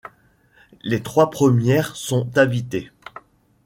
Les trois premières sont habitées.